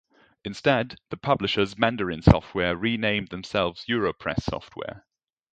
Instead, the publishers Mandarin Software renamed themselves Europress Software.